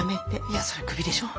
いやそれクビでしょ。